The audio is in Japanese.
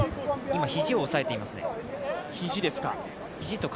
今、肘と肩を押さえていますね。